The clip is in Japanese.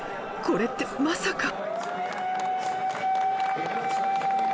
これってまさか。